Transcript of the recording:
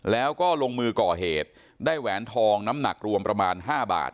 แล้วก็ลงมือก่อเหตุได้แหวนทองน้ำหนักรวมประมาณ๕บาท